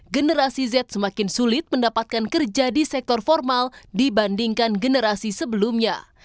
generasi z semakin sulit mendapatkan kerja di sektor formal dibandingkan generasi sebelumnya